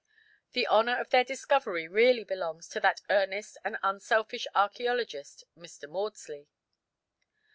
The honour of their discovery really belongs to that earnest and unselfish archæologist Mr. Maudslay.